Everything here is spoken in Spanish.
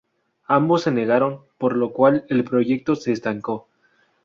Ambos se negaron, por lo cual el proyecto se estancó.